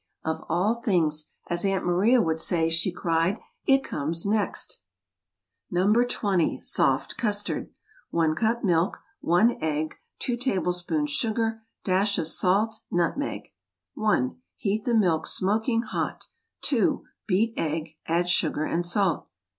"Of all things! As Aunt Maria would say," she cried, "it comes next!" [Illustration: "Of all things!"] NO. 20. SOFT CUSTARD. 1 cup milk 1 egg 2 tablespoons sugar dash of salt nutmeg 1. Heat the milk smoking hot. 2. Beat egg. Add sugar and salt.